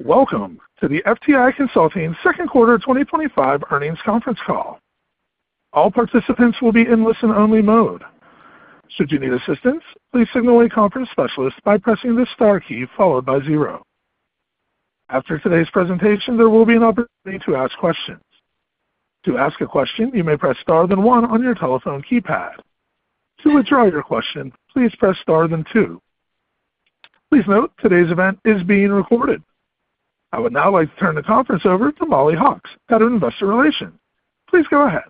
Welcome to the FTI Consulting Second Quarter twenty twenty five Earnings Conference Call. All participants will be in listen only mode. After today's presentation, there will be an opportunity to ask questions. Please note, today's event is being recorded. I would now like to turn the conference over to Molly Hawkes, Head of Investor Relations. Please go ahead.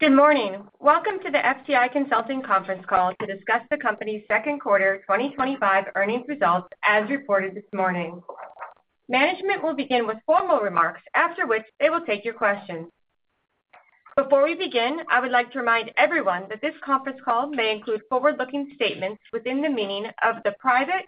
Good morning. Welcome to the FTI Consulting conference call to discuss the company's second quarter twenty twenty five earnings results as reported this morning. Management will begin with formal remarks, after which they will take your questions. Before we begin, I would like to remind everyone that this conference call may include forward looking statements within the meaning of the Private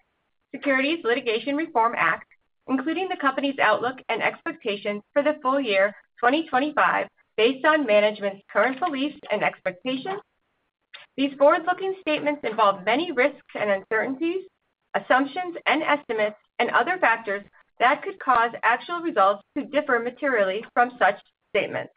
Securities Litigation Reform Act, including the company's outlook and expectations for the full year 2025 based on management's current beliefs and expectations. These forward looking statements involve many risks and uncertainties, assumptions and estimates, and other factors that could cause actual results to differ materially from such statements.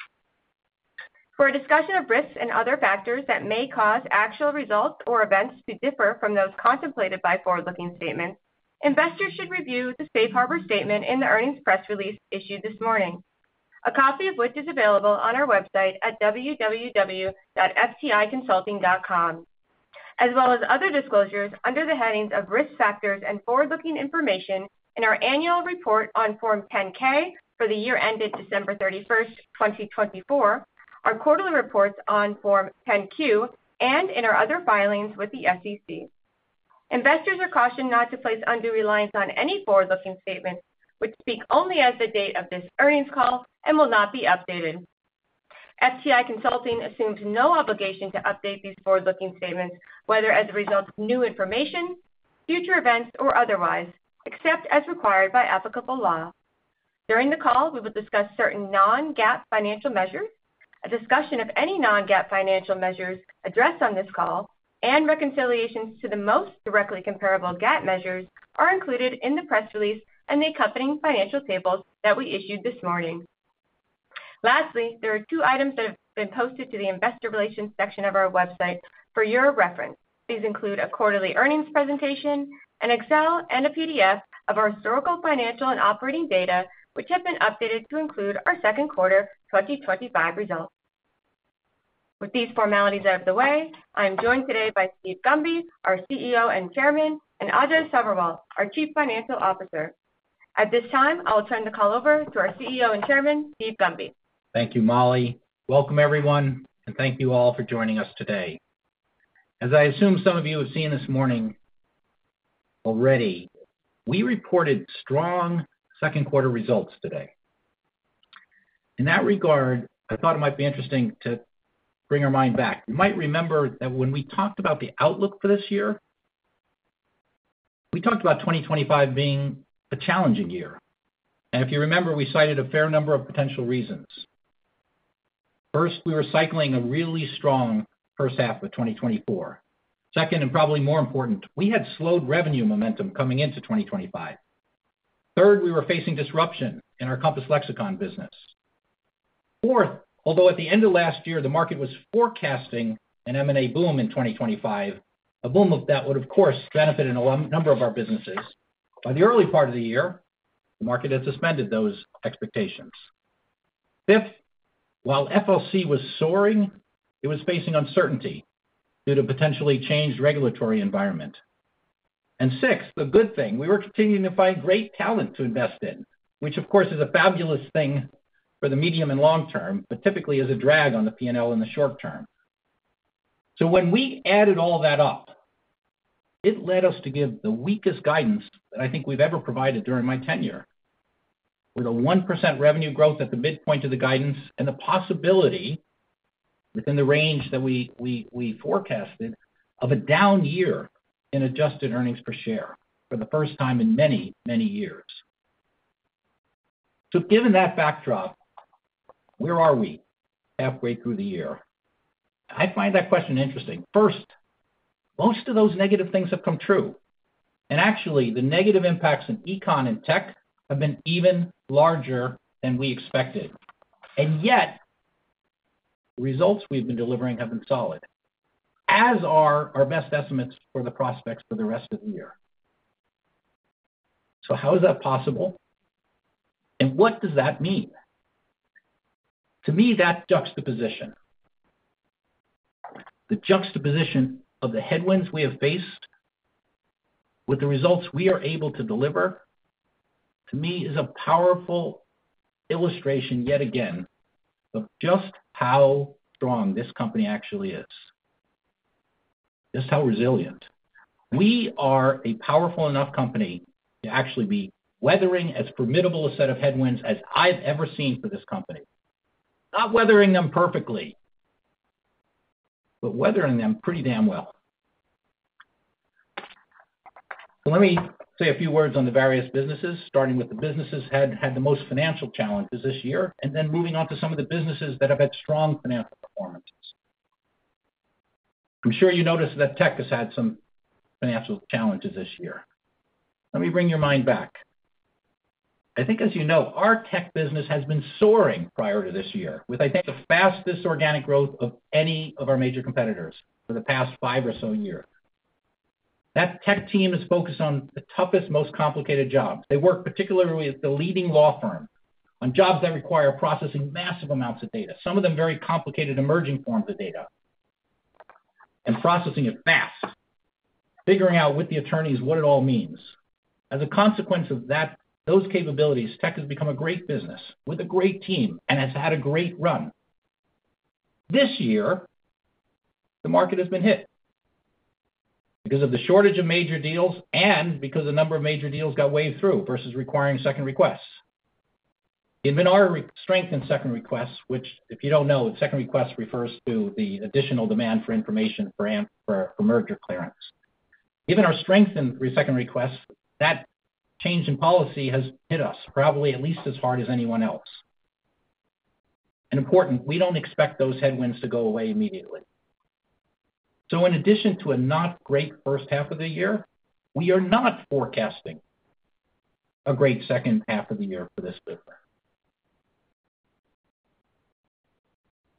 For a discussion of risks and other factors that may cause actual results or events to differ from those contemplated by forward looking statements, investors should review the Safe Harbor statement in the earnings press release issued this morning, a copy of which is available on our website at www.fticonsulting.com, as well as other disclosures under the headings of Risk Factors and Forward Looking Information in our annual report on Form 10 ks for the year ended 12/31/2024, our quarterly reports on Form 10 Q and in our other filings with the SEC. Investors are cautioned not to place undue reliance on any forward looking statements, which speak only as of the date of this earnings call and will not be updated. STI Consulting assumes no obligation to update these forward looking statements, whether as a result of new information, future events or otherwise, except as required by applicable law. During the call, we will discuss certain non GAAP financial measures, a discussion of any non GAAP financial measures addressed on this call and reconciliations to the most directly comparable GAAP measures are included in the press release and the accompanying financial tables that we issued this morning. Lastly, there are two items that have been posted to the Investor Relations section of our website for your reference. These include a quarterly earnings presentation, an Excel and a PDF of our historical financial and operating data, which have been updated to include our second quarter twenty twenty five results. With these formalities out of the way, I'm joined today by Steve Gumby, our CEO and Chairman and Ajay Soverbal, our Chief Financial Officer. At this time, I'll turn the call over to our CEO and Chairman, Steve Gumby. Thank you, Molly. Welcome everyone and thank you all for joining us today. As I assume some of you have seen this morning already, we reported strong second quarter results today. In that regard, I thought it might be interesting to bring our mind back. You might remember that when we talked about the outlook for this year, we talked about 2025 being a challenging year. And if you remember, we cited a fair number of potential reasons. First, we were cycling a really strong first half of twenty twenty four. Second and probably more important, we had slowed revenue momentum coming into 2025. Third, we were facing disruption in our Compass Lexicon business. Fourth, although at the end of last year, the market was forecasting an M and A boom in 2025, a boom of that would of course benefit in a number of our businesses. By the early part of the year, the market had suspended those expectations. Fifth, while FLC was soaring, it was facing uncertainty due to potentially changed regulatory environment. And sixth, the good thing, we were continuing to find great talent to invest in, which of course is a fabulous thing for the medium and long term, but typically is a drag on the P and L in the short term. So when we added all of that up, it led us to give the weakest guidance that I think we've ever provided during my tenure with a 1% revenue growth at the midpoint of the guidance and the possibility within the range that we forecasted of a down year in adjusted earnings per share for the first time in many, many years. So given that backdrop, where are we halfway through the year? I find that question interesting. First, most of those negative things have come true. And actually, the negative impacts in econ and tech have been even larger than we expected. And yet, results we've been delivering have been solid, as are our best estimates for the prospects for the rest of the year. So how is that possible? And what does that mean? To me that juxtaposition. The juxtaposition of the headwinds we have faced with the results we are able to deliver to me is a powerful illustration yet again of just how strong this company actually is. Just how resilient. We are a powerful enough company to actually be weathering as formidable a set of headwinds as I've ever seen for this company. Not weathering them perfectly, but weathering them pretty damn well. Let me say a few words on the various businesses, starting with the businesses that had the most financial challenges this year and then moving on to some of the businesses that have had strong financial performance. I'm sure you noticed that tech has had some financial challenges this year. Let me bring your mind back. I think as you know, our tech business has been soaring prior to this year with I think the fastest organic growth of any of our major competitors for the past five or so years. That tech team is focused on the toughest, most complicated jobs. They work particularly at the leading law firm on jobs that require processing massive amounts of data, some of them very complicated emerging forms of data and processing it fast, figuring out with the attorneys what it all means. As a consequence of those capabilities, tech has become a great business with a great team and has had a great run. This year, the market has been hit because of the shortage of major deals and because a number of major deals got waved through versus requiring second requests. Given our strength in second requests, which if you don't know, second request refers to the additional demand for information for merger clearance. Given our strength in second request, that change in policy has hit us probably at least as hard as anyone else. And important, we don't expect those headwinds to go away immediately. So in addition to a not great first half of the year, we are not forecasting a great second half of the year for this business.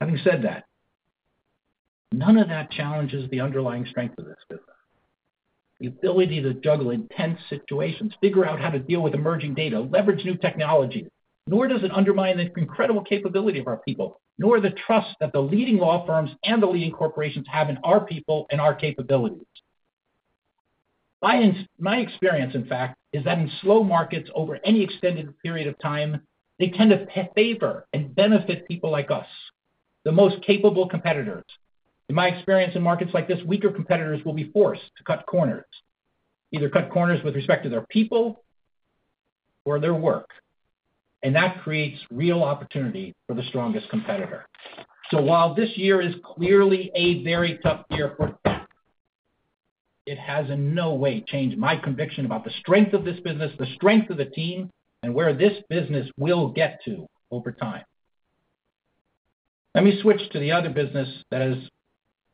Having said that, none of that challenges the underlying strength of this business. The ability to juggle intense situations, figure out how to deal with emerging data, leverage new technology, nor does it undermine the incredible capability of our people, nor the trust that the leading law firms and the leading corporations have in our people and our capabilities. My experience, in fact, is that in slow markets over any extended period of time, they tend to favor and benefit people like us, the most capable competitors. In my experience in markets like this weaker competitors will be forced to cut corners, either cut corners with respect to their people or their work. And that creates real opportunity for the strongest competitor. So while this year is clearly a very tough year for them, it has in no way changed my conviction about the strength of this business, the strength of the team, and where this business will get to over time. Let me switch to the other business that has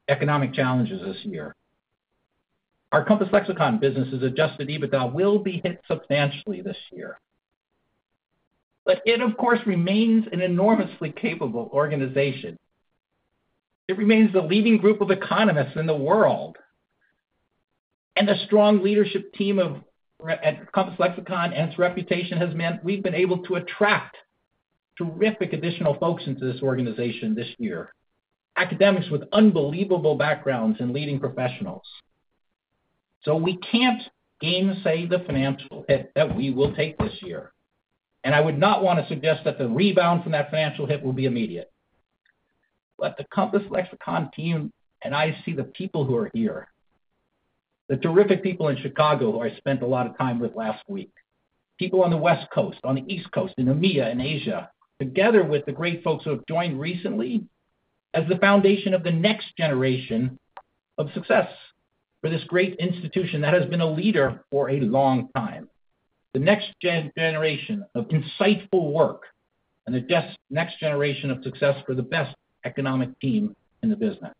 economic challenges this year. Our Compass Lexicon business's adjusted EBITDA will be hit substantially this year. But it, of course, remains an enormously capable organization. It remains the leading group of economists in the world. And the strong leadership team of at Compass Lexicon and its reputation has meant we've been able to attract terrific additional folks into this organization this year, academics with unbelievable backgrounds and leading professionals. So we can't game say the financial hit that we will take this year. And I would not want to suggest that the rebound from that financial hit will be immediate. But the Compass Lexicon team and I see the people who are here, The terrific people in Chicago, who I spent a lot of time with last week. People on the West Coast, on the East Coast, in EMEA and Asia, together with the great folks who have joined recently as the foundation of the next generation of success for this great institution that has been a leader for a long time. The next generation of insightful work and the next generation of success for the best economic team in the business.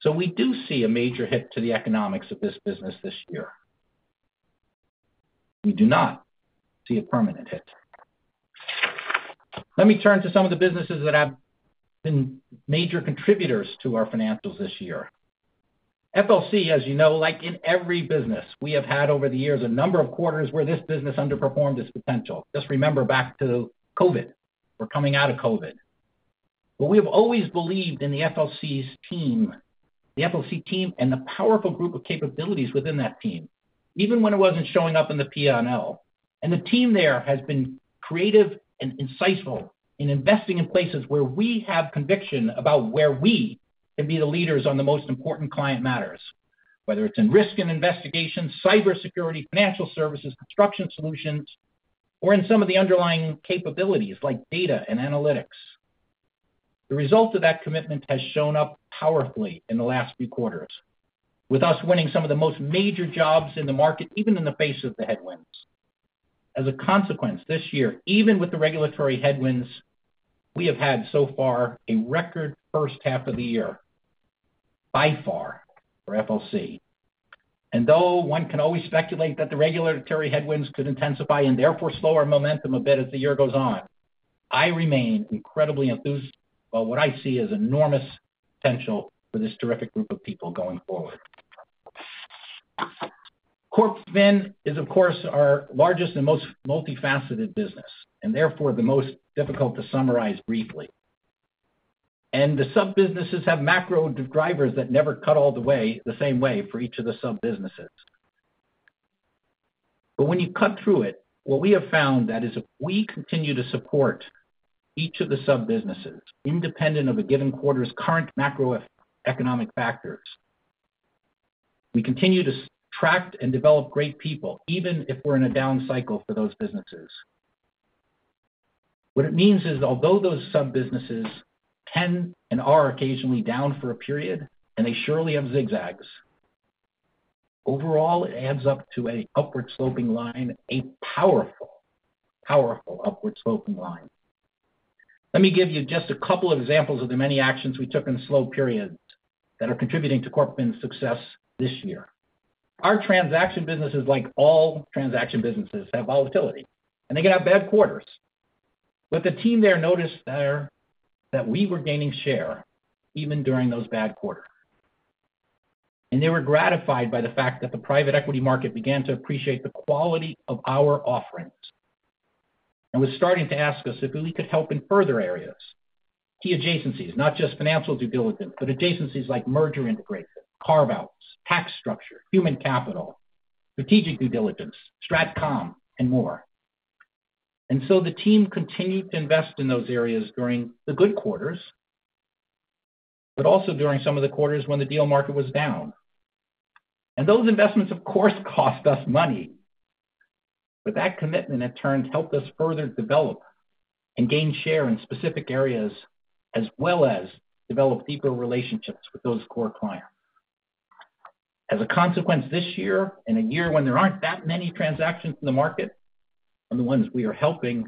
So we do see a major hit to the economics of this business this year. We do not see a permanent hit. Let me turn to some of the businesses that have been major contributors to our financials this year. FLC, as you know, like in every business we have had over the years, a number of quarters where this business underperformed its potential. Just remember back to COVID, we're coming out of COVID. But we have always believed in the FLC's team, the FLC team and the powerful group of capabilities within that team, even when it wasn't showing up in the P and L. And the team there has been creative and insightful in investing in places where we have conviction about where we can be the leaders on the most important client matters, whether it's in risk and investigation, cyber security, financial services, construction solutions, or in some of the underlying capabilities like data and analytics. The result of that commitment has shown up powerfully in the last few quarters with us winning some of the most major jobs in the market, even in the face of the headwinds. As a consequence this year, even with the regulatory headwinds, we have had so far a record first half of the year by far for FLC. And though one can always speculate that the regulatory headwinds could intensify and therefore slower momentum a bit as the year goes on, I remain incredibly enthused by what I see as enormous potential for this terrific group of people going forward. Corp Fin is of course our largest and most multifaceted business and therefore the most difficult to summarize briefly. And the sub businesses have macro drivers that never cut all the way the same way for each of the sub businesses. But when you cut through it, what we have found that is we continue to support each of the sub businesses independent of a given quarter's current macroeconomic factors. We continue to track and develop great people even if we're in a down cycle for those businesses. What it means is although those sub businesses can and are occasionally down for a period and they surely have zigzags, overall it adds up to a upward sloping line, a powerful, powerful upward sloping line. Let me give you just a couple of examples of the many actions we took in slow periods that are contributing to Corbin's success this year. Our transaction businesses like all transaction businesses have volatility they get out bad quarters. But the team there noticed there that we were gaining share even during those bad quarter. And they were gratified by the fact that the private equity market began to appreciate the quality of our offerings and was starting to ask us if we could help in further areas. Key adjacencies, not just financial due diligence, but adjacencies like merger integration, carve outs, tax structure, human capital, strategic due diligence, stratcom and more. And so the team continued to invest in those areas during the good quarters, but also during some of the quarters when the deal market was down. And those investments of course cost us money. But that commitment in turn helped us further develop and gain share in specific areas as well as develop deeper relationships with those core clients. As a consequence this year and a year when there aren't that many transactions in the market and the ones we are helping,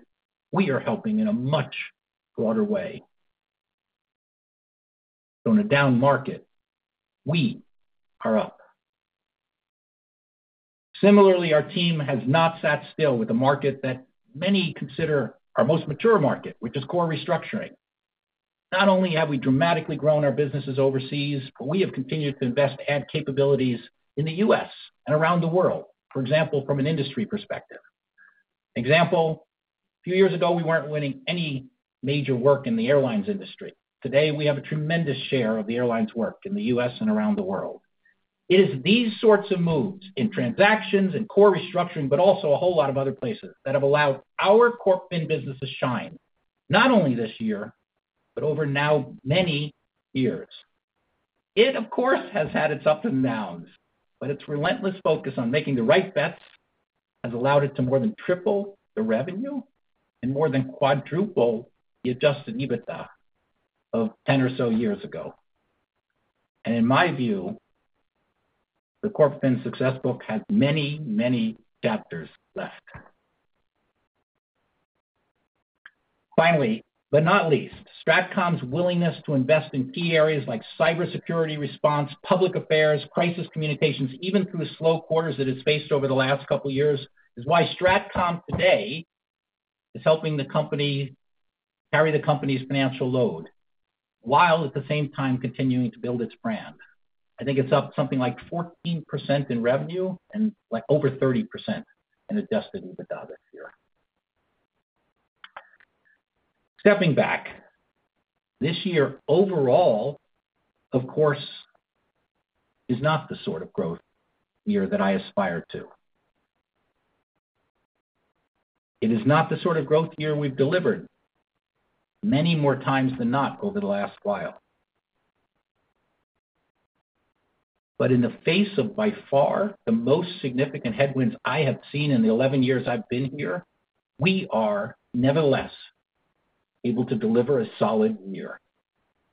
we are helping in a much broader way. So in a down market, we are up. Similarly, our team has not sat still with the market that many consider our most mature market, which is core restructuring. Not only have we dramatically grown our businesses overseas, but we have continued to invest ad capabilities in The US and around the world, for example, from an industry perspective. Example, a few years ago, we weren't winning any major work in the airlines industry. Today, have a tremendous share of the airlines work in The US and around the world. It is these sorts of moves in transactions and core restructuring, but also a whole lot of other places that have allowed our Corp Fin business to shine, not only this year, but over now many years. It of course has had its ups and downs, but its relentless focus on making the right bets has allowed it to more than triple the revenue and more than quadruple the adjusted EBITDA of ten or so years ago. And in my view, the Corp Fin Success book had many, many chapters left. Finally, but not least, Stratcom's willingness to invest in key areas like cybersecurity response, public affairs, crisis communications, even through the slow quarters that it's faced over the last couple of years is why Stratcom today is helping the company carry the company's financial load, while at the same time continuing to build its brand. I think it's up something like 14% in revenue and like over 30% in adjusted EBITDA this year. Stepping back, this year overall, of course, is not the sort of growth year that I aspire to. It is not the sort of growth year we've delivered many more times than not over the last while. But in the face of by far the most significant headwinds I have seen in the eleven years I've been here, we are nevertheless able to deliver a solid year.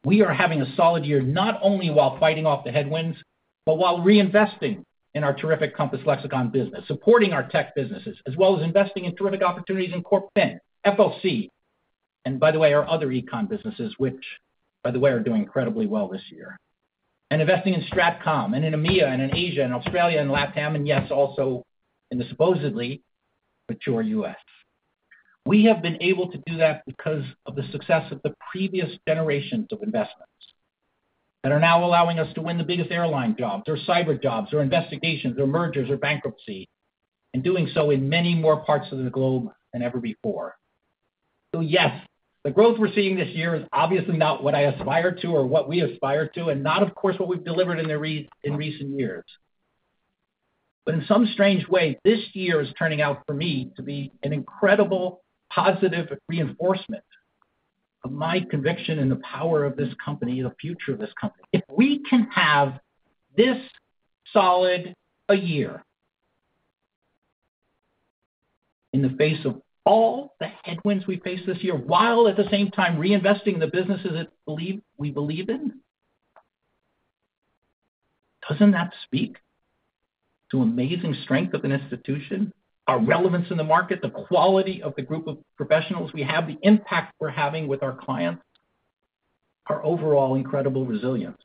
We are having a solid year not only while fighting off the headwinds, but while reinvesting in our terrific Compass Lexicon business, supporting our tech businesses, as well as investing in terrific opportunities in Corp. Penn, FLC, and by the way, our other econ businesses, which by the way, doing incredibly well this year. And investing in Stratcom and in EMEA and in Asia and Australia and LatAm and yes also in the supposedly mature U. S. We have been able to do that because of the success of the previous generations of investments that are now allowing us to win the biggest airline jobs or cyber jobs or investigations or mergers or bankruptcy and doing so in many more parts of the globe than ever before. So yes, the growth we're seeing this year is obviously not what I aspire to or what we aspire to and not, of course, what we've delivered in recent years. But in some strange way, this year is turning out for me to be an incredible positive reinforcement of my conviction in the power of this company, the future of this company. If we can have this solid a year in the face of all the headwinds we face this year while at the same time reinvesting the businesses that we believe in? Doesn't that speak to amazing strength of an institution, our relevance in the market, the quality of the group of professionals we have, the impact we're having with our clients, our overall incredible resilience.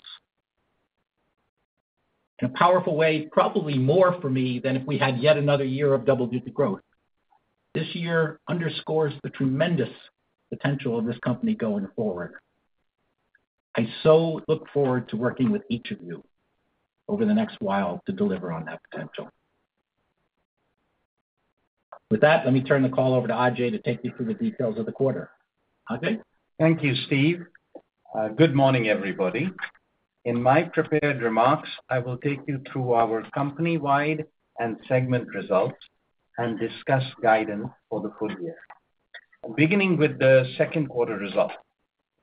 In a powerful way, probably more for me than if we had yet another year of double digit growth, This year underscores the tremendous potential of this company going forward. I so look forward to working with each of you over the next while to deliver on that potential. With that, let me turn the call over to Ajay to take you through the details of the quarter. Ajay? Thank you, Steve. Good morning, everybody. In my prepared remarks, I will take you through our company wide and segment results and discuss guidance for the full year. Beginning with the second quarter results,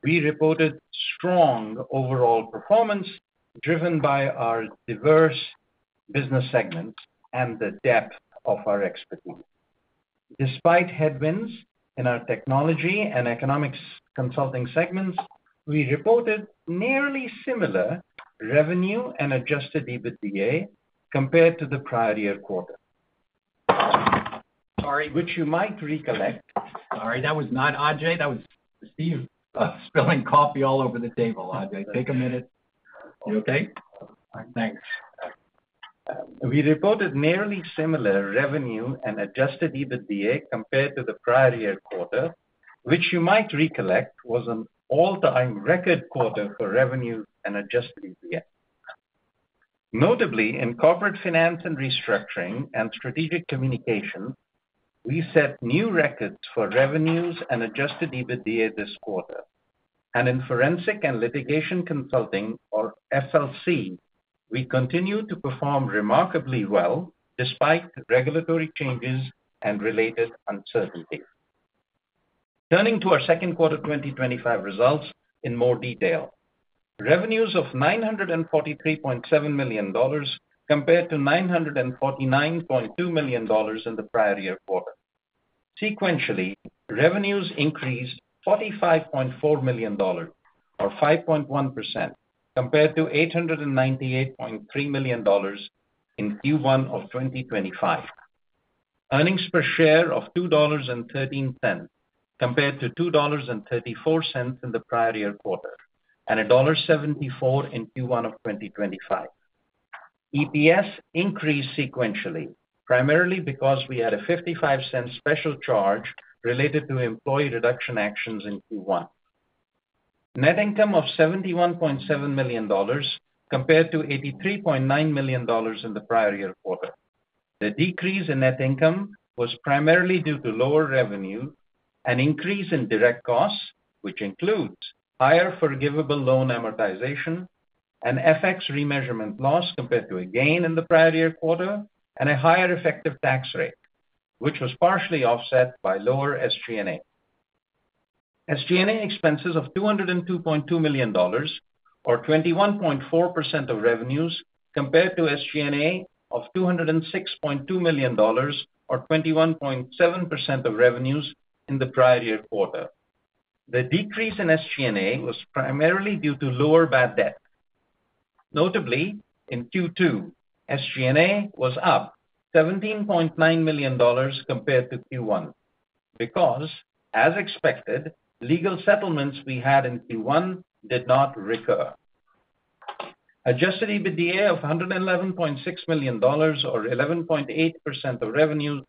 we reported strong overall performance driven by our diverse business segments and the depth of our expertise. Despite headwinds in our technology and economics consulting segments, we reported nearly similar revenue and adjusted EBITDA compared to the prior year quarter. Sorry. Which you might recollect. Sorry. That was not Ajay. That was Steve spilling coffee all over the table. Ajay, take a minute. Okay. Alright. Thanks. We reported nearly similar revenue and adjusted EBITDA compared to the prior year quarter, which you might recollect was an all time record quarter for revenue and adjusted EBITDA. Notably, in corporate finance and restructuring and strategic communication, we set new records for revenues and adjusted EBITDA this quarter. And in forensic and litigation consulting or SLC, we continue to perform remarkably well despite regulatory changes and related uncertainty. Turning to our second quarter twenty twenty five results in more detail. Revenues of $943,700,000 compared to $949,200,000 in the prior year quarter. Sequentially, revenues increased $45,400,000 or 5.1% compared to $898,300,000 in q one of twenty twenty five. Earnings per share of $2.13 compared to $2.34 in the prior year quarter and $1.74 in Q1 of twenty twenty five. EPS increased sequentially, primarily because we had a $0.55 special charge related to employee reduction actions in Q1. Net income of $71,700,000 compared to $83,900,000 in the prior year quarter. The decrease in net income was primarily due to lower revenue, an increase in direct costs, which includes higher forgivable loan amortization, an FX remeasurement loss compared to a gain in the prior year quarter, and a higher effective tax rate, which was partially offset by lower SG and A. SG and A expenses of $202,200,000 or 21.4% of revenues compared to SG and A of $206,200,000 or 21.7% of revenues in the prior year quarter. The decrease in SG and A was primarily due to lower bad debt. Notably, in q two, SG and A was up $17,900,000 compared to q one, because as expected, legal settlements we had in q one did not recur. Adjusted EBITDA of $111,600,000 or 11.8% of revenue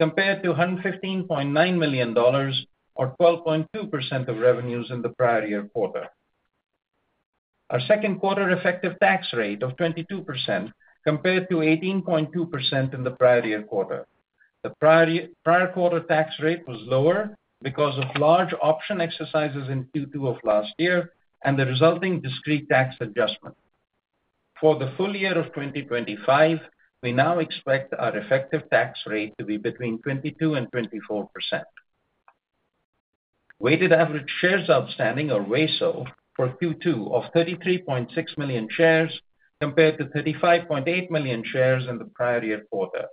compared to $115,900,000 or 12.2% of revenues in the prior year quarter. Our second quarter effective tax rate of 22% compared to 18.2% in the prior year quarter. The prior year prior quarter tax rate was lower because of large option exercises in q two of last year and the resulting discrete tax adjustment. For the full year of 2025, we now expect our effective tax rate to be between 2224%. Weighted average shares outstanding or VESO for Q2 of 33,600,000.0 shares compared to 35,800,000.0 shares in the prior year quarter,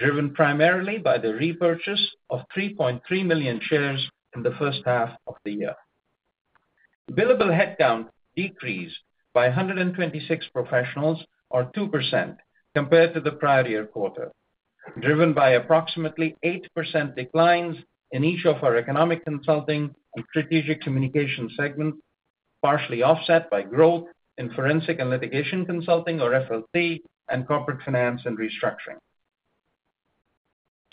driven primarily by the repurchase of 3,300,000.0 shares in the first half of the year. Billable headcount decreased by a 126 professionals or 2% compared to the prior year quarter, driven by approximately 8% declines in each of our economic consulting and strategic communication segment, partially offset by growth in forensic and litigation consulting or FLT and corporate finance and restructuring.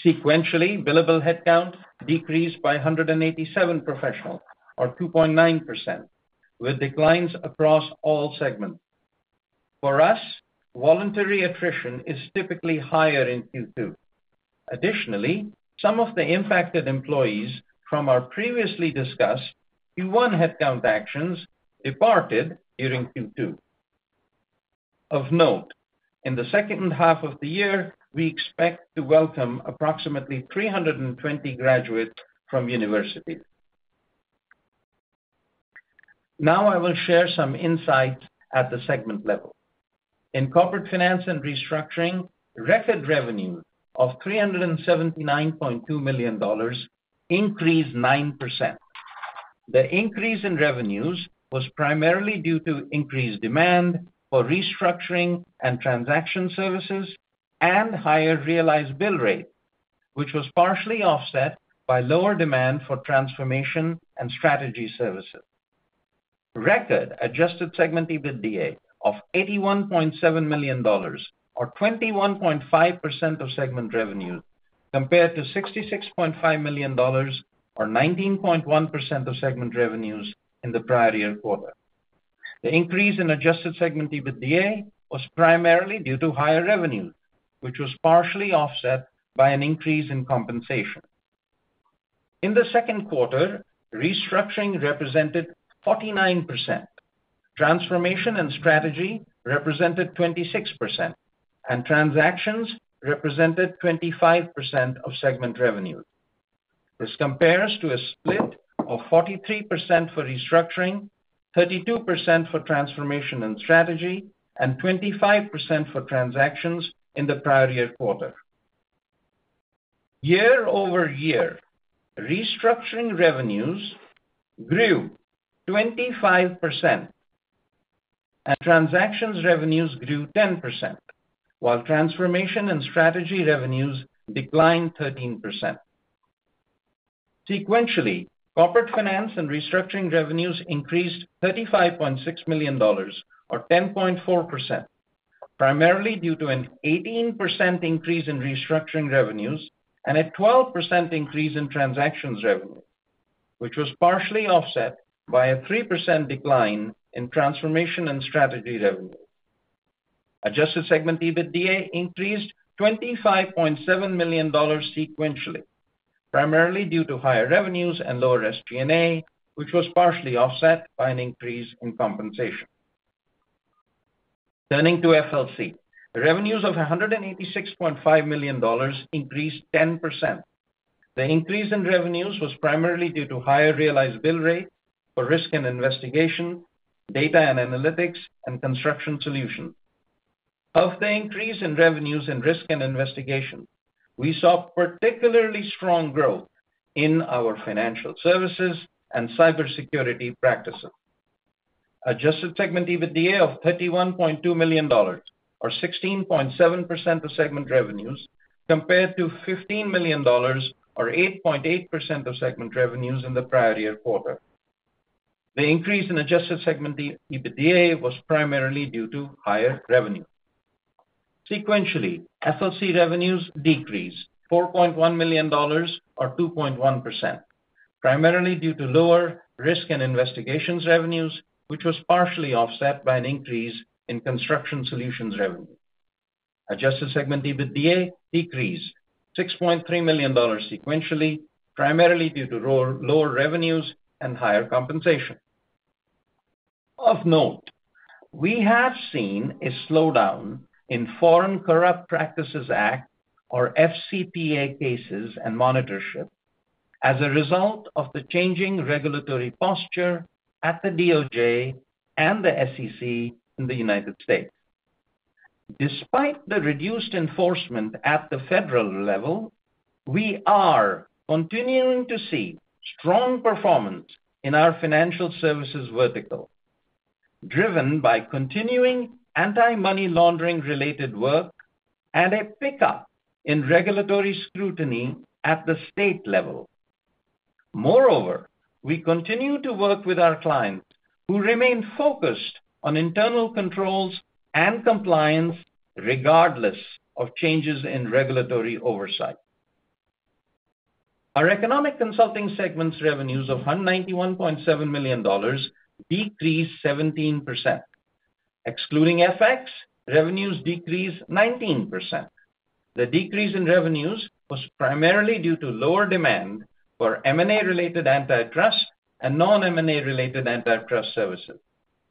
Sequentially, billable headcount decreased by a 187 professionals or 2.9% with declines across all segments. For us, voluntary attrition is typically higher in q two. Additionally, some of the impacted employees from our previously discussed q one headcount actions departed during q two. Of note, in the second half of the year, we expect to welcome approximately 320 graduates from university. Now I will share some insights at the segment level. In corporate finance and restructuring, record revenue of $379,200,000 increased 9%. The increase in revenues was primarily due to increased demand for restructuring and transaction services and higher realized bill rate, which was partially offset by lower demand for transformation and strategy services. Record adjusted segment EBITDA of $81,700,000 or 21.5% of segment revenue, compared to $66,500,000 or 19.1 percent of segment revenues in the prior year quarter. The increase in adjusted segment EBITDA was primarily due to higher revenue, which was partially offset by an increase in compensation. In the second quarter, restructuring represented 49%, transformation and strategy represented 26%, and transactions represented 25% of segment revenue. This compares to a split of 43% for restructuring, 32% for transformation and strategy, and 25% for transactions in the prior year quarter. Year over year, restructuring revenues grew 25%, and transactions revenues grew 10, while transformation and strategy revenues declined 13%. Sequentially, corporate finance and restructuring revenues increased $35,600,000 or 10.4%, primarily due to an 18% increase in restructuring revenues and a 12% increase in transactions revenue, which was partially offset by a 3% decline in transformation and strategy revenue. Adjusted segment EBITDA increased $25,700,000 sequentially, primarily due to higher revenues and lower SG and A, which was partially offset by an increase in compensation. Turning to FLC. Revenues of a $186,500,000 increased 10%. The increase in revenues was primarily due to higher realized bill rate for risk and investigation, data and analytics, and construction solution. Of the increase in revenues and risk and investigation, we saw particularly strong growth in our financial services and cybersecurity practices. Adjusted segment EBITDA of $31,200,000 or 16.7% of segment revenues compared to $15,000,000 or 8.8% of segment revenues in the prior year quarter. The increase in adjusted segment EBITDA was primarily due to higher revenue. Sequentially, FLC revenues decreased $4,100,000 or 2.1%, primarily due to lower risk and investigations revenues, which was partially offset by an increase in construction solutions revenue. Adjusted segment EBITDA decreased $6,300,000 sequentially, primarily due to lower revenues and higher compensation. Of note, we have seen a slowdown in Foreign Corrupt Practices Act or FCPA cases and monitorship, as a result of the changing regulatory posture at the DOJ and the SEC in The United States. Despite the reduced enforcement at the federal level, we are continuing to see strong performance in our financial services vertical, driven by continuing anti money laundering related work and a pickup in regulatory scrutiny at the state level. Moreover, we continue to work with our clients who remain focused on internal controls and compliance regardless of changes in regulatory oversight. Our economic consulting segment's revenues of 191,700,000 decreased 17%. Excluding FX, revenues decreased 19%. The decrease in revenues was primarily due to lower demand for M and A related antitrust and non M and A related antitrust services,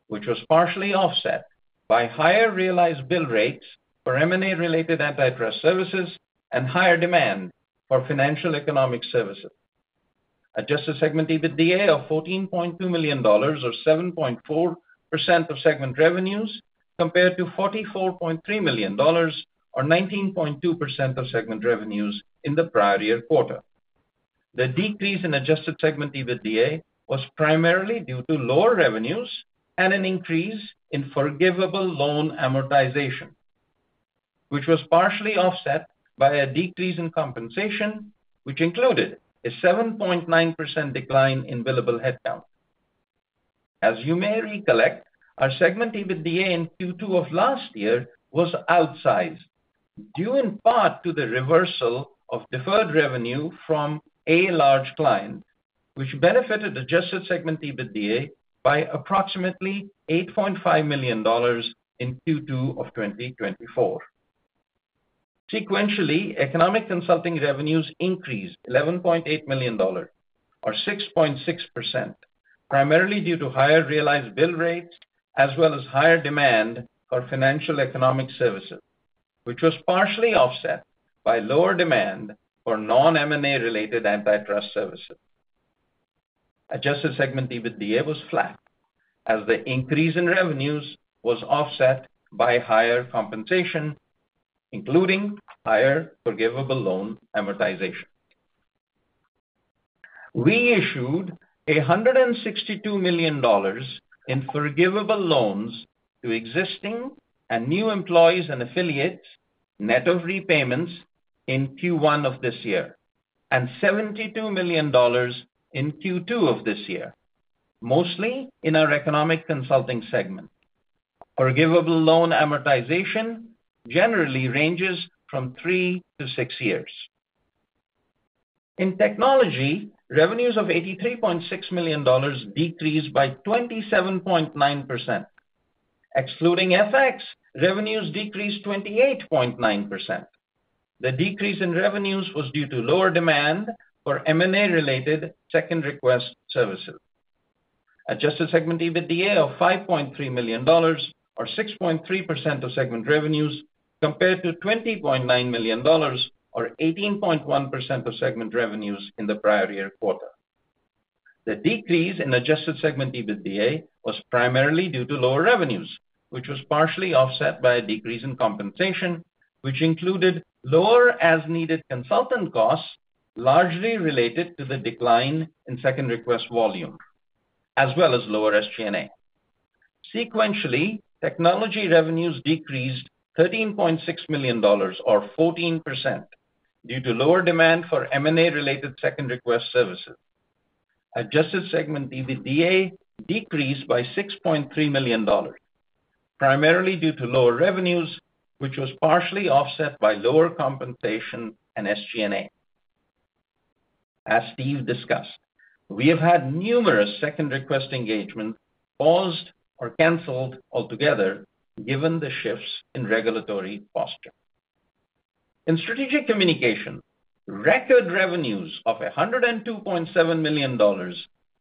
which was partially offset by higher realized bill rates for M and A related antitrust services and higher demand for financial economic services. Adjusted segment EBITDA of $14,200,000 or 7.4% of segment revenues, compared to $44,300,000 or 19.2% of segment revenues in the prior year quarter. The decrease in adjusted segment EBITDA was primarily due to lower revenues and an increase in forgivable loan amortization, which was partially offset by a decrease in compensation, which included a 7.9% decline in billable headcount. As you may recollect, our segment EBITDA in Q2 of last year was outsized due in part to the reversal of deferred revenue from a large client, which benefited adjusted segment EBITDA by approximately $8,500,000 in q two of twenty twenty four. Sequentially, economic consulting revenues increased $11,800,000 or 6.6 percent, primarily due to higher realized bill rates as well as higher demand for financial economic services, which was partially offset by lower demand for non M and A related antitrust services. Adjusted segment EBITDA was flat, as the increase in revenues was offset by higher compensation, including higher forgivable loan amortization. We issued a $162,000,000 in forgivable loans to existing and new employees and affiliates, net of repayments in q one of this year, and $72,000,000 in q two of this year, mostly in our economic consulting segment. Our givable loan amortization generally ranges from three to six years. In technology, revenues of $83,600,000 decreased by 27.9%. Excluding FX, revenues decreased 28.9%. The decrease in revenues was due to lower demand for M and A related second request services. Adjusted segment EBITDA of $5,300,000 or 6.3% of segment revenues compared to $20,900,000 or 18.1% of segment revenues in the prior year quarter. The decrease in adjusted segment EBITDA was primarily due to lower revenues, which was partially offset by a decrease in compensation, which included lower as needed consultant costs, largely related to the decline in second request volume, as well as lower SG and A. Sequentially, technology revenues decreased $13,600,000 or 14% due to lower demand for M and A related second request services. Adjusted segment EBITDA decreased by $6,300,000 primarily due to lower revenues, which was partially offset by lower compensation and SG and A. As Steve discussed, we have had numerous second request engagement paused or canceled altogether, given the shifts in regulatory posture. In strategic communication, record revenues of a $102,700,000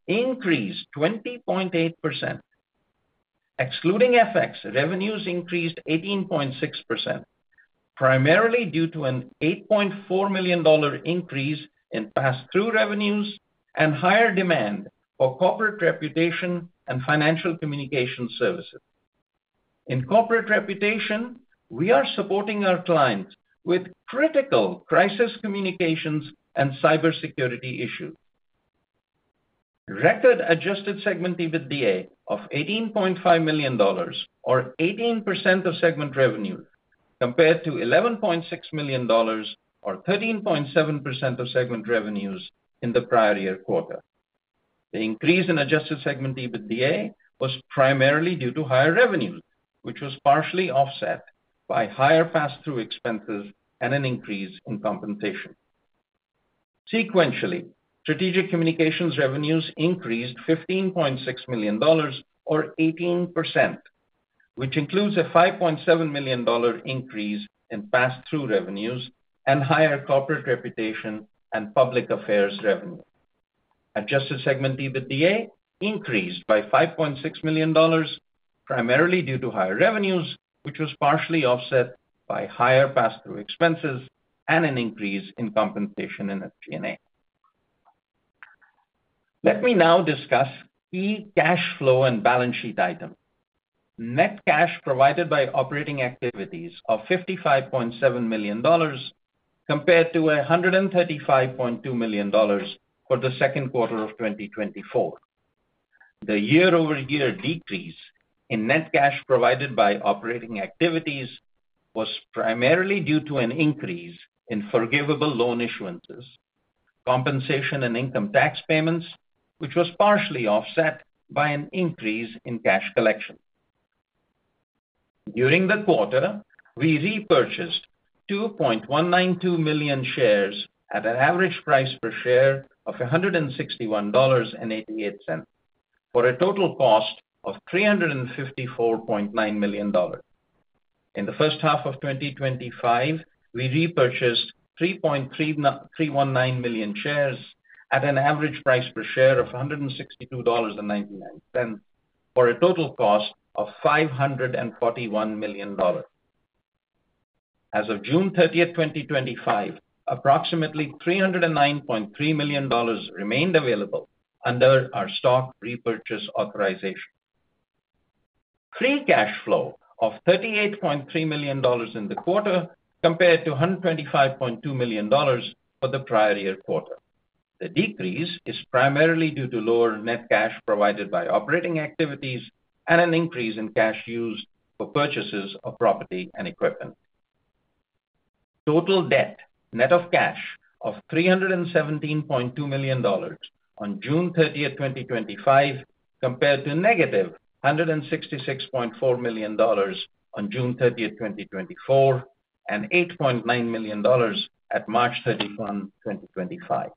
increased 20.8%. Excluding FX, revenues increased 18.6%, primarily due to an $8,400,000 increase in pass through revenues and higher demand for corporate reputation and financial communication services. In corporate reputation, we are supporting our clients with critical crisis communications and cybersecurity issues. Record adjusted segment EBITDA of $18,500,000 or 18% of segment revenue, compared to $11,600,000 or 13.7% of segment revenues in the prior year quarter. The increase in adjusted segment EBITDA was primarily due to higher revenue, which was partially offset by higher pass through expenses and an increase in compensation. Sequentially, strategic communications revenues increased $15,600,000 or 18%, which includes a $5,700,000 increase in pass through revenues and higher corporate reputation and public affairs revenue. Adjusted segment EBITDA increased by $5,600,000 primarily due to higher revenues, which was partially offset by higher pass through expenses and an increase in compensation and SG and A. Let me now discuss key cash flow and balance sheet item. Net cash provided by operating activities of $55,700,000 compared to $135,200,000 for the second quarter of twenty twenty four. The year over year decrease in net cash provided by operating activities was primarily due to an increase in forgivable loan issuances, compensation and income tax payments, which was partially offset by an increase in cash collection. During the quarter, we repurchased 2,192,000.000 shares at an average price per share of a $161.88 for a total cost of $354,900,000. In the first half of twenty twenty five, we repurchased 3,331,900.0000 shares at an average price per share of a $162.99 for a total cost of $541,000,000. As of 06/30/2025, approximately $309,300,000 remained available under our stock repurchase authorization. Free cash flow of $38,300,000 in the quarter compared to $125,200,000 for the prior year quarter. The decrease is primarily due to lower net cash provided by operating activities and an increase in cash used for purchases of property and equipment. Total debt, net of cash, of $317,200,000 on 06/30/2025, compared to negative $166,400,000 on 06/30/2024, and $8,900,000 at 03/31/2025.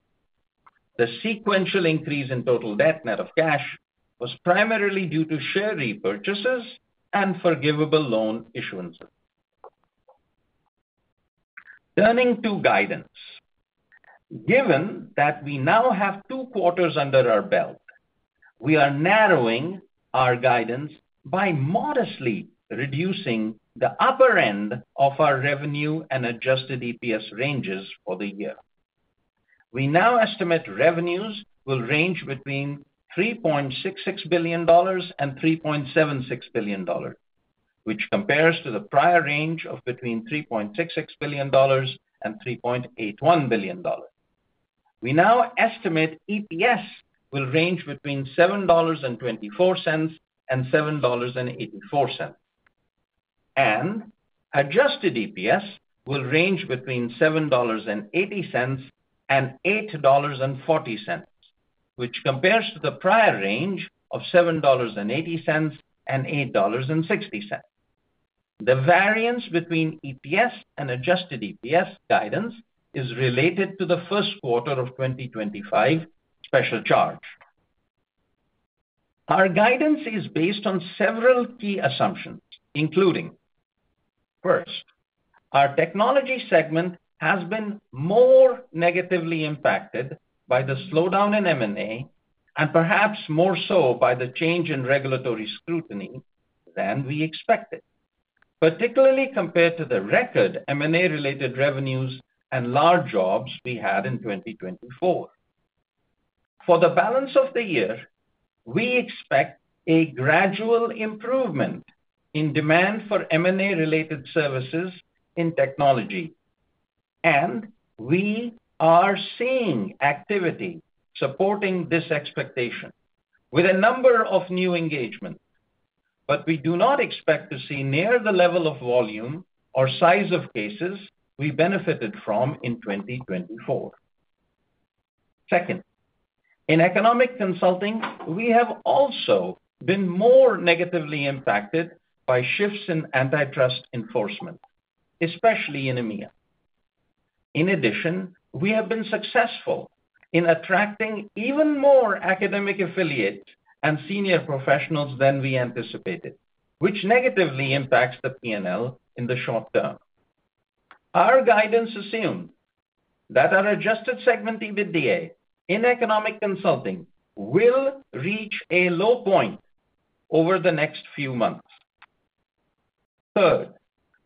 The sequential increase in total debt net of cash was primarily due to share repurchases and forgivable loan issuances. Turning to guidance. Given that we now have two quarters under our belt, we are narrowing our guidance by modestly reducing the upper end of our revenue and adjusted EPS ranges for the year. We now estimate revenues will range between $3,660,000,000 and $3,760,000,000 which compares to the prior range of between $3,660,000,000 and $3,810,000,000 We now estimate EPS will range between $7.24 and $7.84. And adjusted EPS will range between $7.80 and $8.40, which compares to the prior range of $7.8 and $8.6 The variance between EPS and adjusted EPS guidance is related to the 2025 special charge. Our guidance is based on several key assumptions, including, first, our technology segment has been more negatively impacted by the slowdown in M and A, and perhaps more so by the change in regulatory scrutiny than we expected, particularly compared to the record M and A related revenues and large jobs we had in 2024. For the balance of the year, we expect a gradual improvement in demand for M and A related services in technology, and we are seeing activity supporting this expectation with a number of new engagement, but we do not expect to see near the level of volume or size of cases we benefited from in 2024. Second, in economic consulting, we have also been more negatively impacted by shifts in antitrust enforcement, especially in EMEA. In addition, we have been successful in attracting even more academic affiliate and senior professionals than we anticipated, which negatively impacts the P and L in the short term. Our guidance assumes that our adjusted segment EBITDA in economic consulting will reach a low point over the next few months. Third,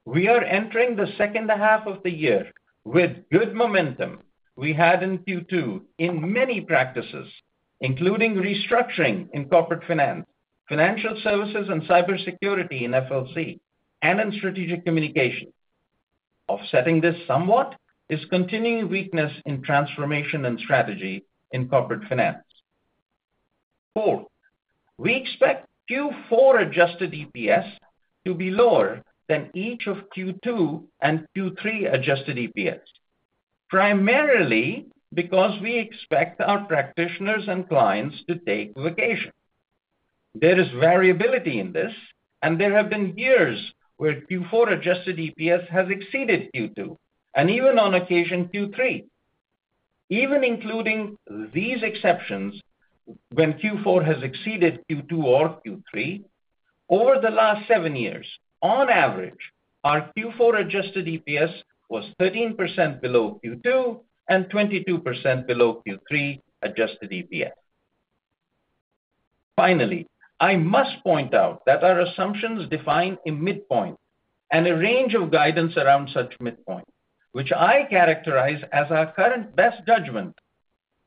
we are entering the second half of the year with good momentum we had in q two in many practices, including restructuring in corporate finance, financial services and cybersecurity in FLC, and in strategic communication. Offsetting this somewhat is continuing weakness in transformation and strategy in corporate finance. Four, we expect q four adjusted EPS to be lower than each of q two and q three adjusted EPS, primarily because we expect our practitioners and clients to take vacation. There is variability in this, and there have been years where Q4 adjusted EPS has exceeded Q2, and even on occasion, Q3. Even including these exceptions, when Q4 has exceeded Q2 or Q3, over the last seven years, on average, our Q4 adjusted EPS was 13% below Q2 and 22% below Q3 adjusted EPS. Finally, I must point out that our assumptions define a midpoint and a range of guidance around such midpoint, which I characterize as our current best judgment.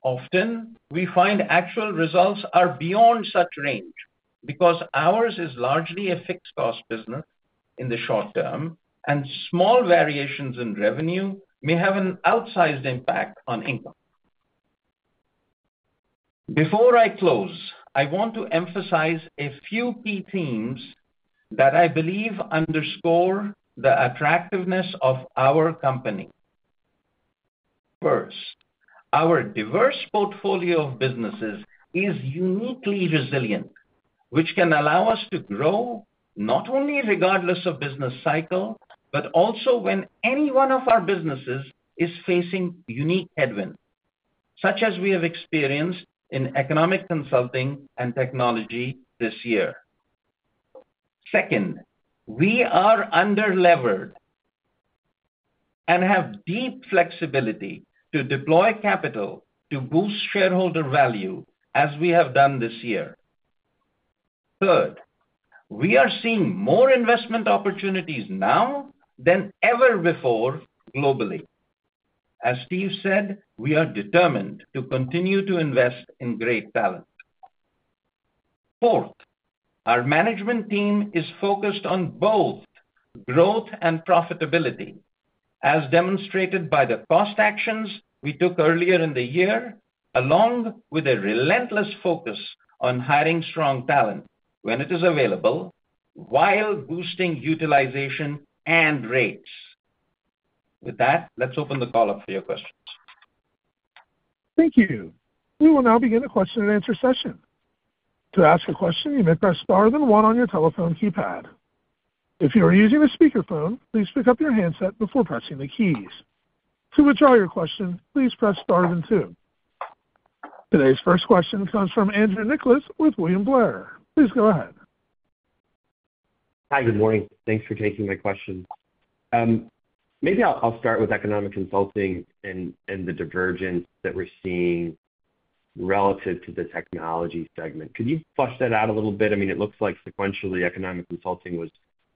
Often, we find actual results are beyond such range because ours is largely a fixed cost business in the short term, and small variations in revenue may have an outsized impact on income. Before I close, I want to emphasize a few key themes that I believe underscore the attractiveness of our company. First, our diverse portfolio of businesses is uniquely resilient, which can allow us to grow not only regardless of business cycle, but also when any one of our businesses is facing unique headwind, such as we have experienced in economic consulting and technology this year. Second, we are underlevered and have deep flexibility to deploy capital to boost shareholder value as we have done this year. Third, we are seeing more investment opportunities now than ever before globally. As Steve said, we are determined to continue to invest in great talent. Fourth, our management team is focused on both growth and profitability, as demonstrated by the cost actions we took earlier in the year, along with a relentless focus on hiring strong talent when it is available while boosting utilization and rates. With that, let's open the call up for your questions. Thank you. We will now begin the question and answer session. To ask a question, you may press star then one on your telephone keypad. If you are using a speakerphone, please pick up your handset before pressing the keys. Today's first question comes from Andrew Nicholas with William Blair. Please go ahead. Hi, good morning. Thanks for taking my question. Maybe I'll start with economic consulting and the divergence that we're seeing relative to the technology segment. Could you flesh that out a little bit? I mean, it looks like sequentially economic consulting was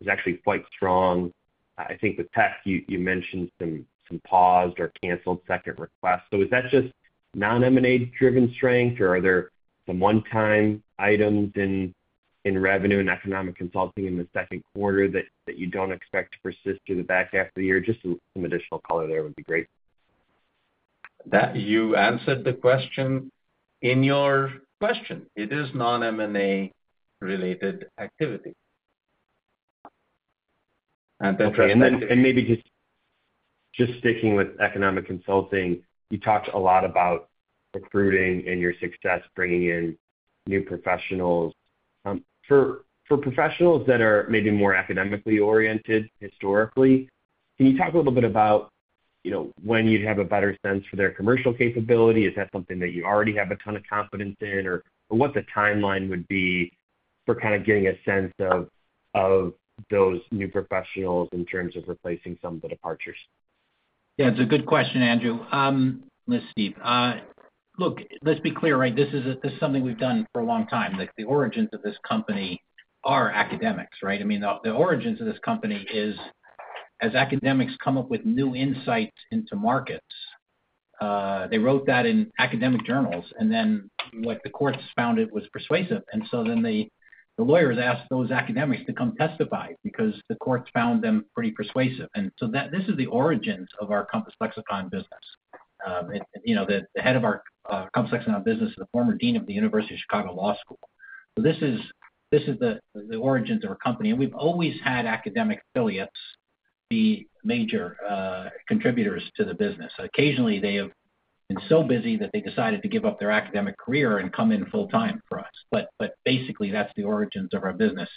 actually quite strong. I think with Peck, you mentioned some paused or canceled second request. So is that just non M and A driven strength? Or are there some onetime items in revenue and economic consulting in the second quarter you don't expect to persist through the back half of the year? Just some additional color there would be great. That you answered the question in your question. It is non M and A related activity. And then And maybe just sticking with economic consulting, you talked a lot about recruiting and your success bringing in new professionals. For professionals that are maybe more academically oriented historically, can you talk a little bit about when you'd have a better sense for their commercial capability? Is that something that you already have a ton of confidence in? What the timeline would be for kind of getting a sense of those new professionals in terms of replacing some of the departures? Yeah, it's a good question Andrew. This is Steve. Look, let's be clear, this is something we've done for a long time. The origins of this company are academics, mean the origins of this company is as academics come up with new insights into markets, they wrote that in academic journals and then what the courts found it was persuasive and so then the lawyers asked those academics to come testify because the courts found them pretty persuasive. And so this is the origins of our Compass Lexicon business. The head of our Compass Lexicon business, the former Dean of the University of Chicago Law School. So this is the origins of our company and we've always had academic affiliates be major contributors to the business. Occasionally they have been so busy that they decided to give up their academic career and come in full time for us. But basically that's the origins of our business.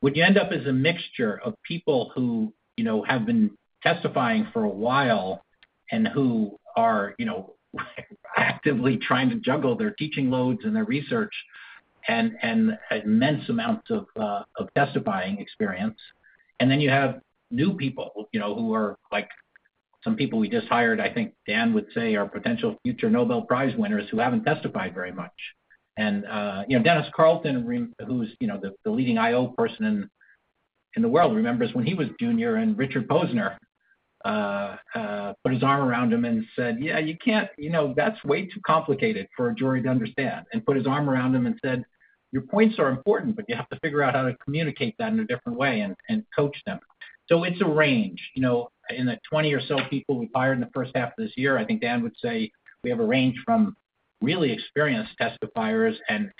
What you end up is a mixture of people who you know have been testifying for a while and who are you know actively trying to juggle their teaching loads and their research and immense amounts of testifying experience. And then you have new people who are like some people we just hired, I think Dan would say are potential future Nobel Prize winners who haven't testified very much. Dennis Carlton, who's the leading IO person in the world remembers when he was junior and Richard Posner put his arm around him and said, yeah, you can't that's way too complicated for a jury to understand and put his arm around him and said, your points are important but you have to figure out how to communicate that in a different way and coach them. So it's a range. The 20 or so people we fired in the first half of this year, I think Dan would say we have a range from really experienced testifiers and